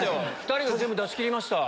２人が全部出し切りました。